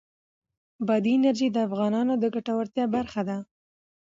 بادي انرژي د افغانانو د ګټورتیا برخه ده.